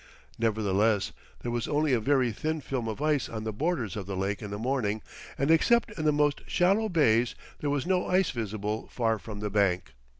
Nevertheless, there was only a very thin film of ice on the borders of the lake in the morning, and except in the most shallow bays there was no ice visible far from the bank.